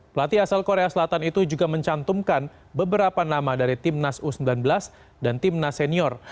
pelatih asal korea selatan itu juga mencantumkan beberapa nama dari tim nas u sembilan belas dan tim nas senior